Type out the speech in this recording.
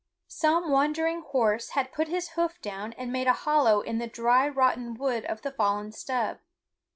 Some wandering horse had put his hoof down and made a hollow in the dry rotten wood of the fallen stub.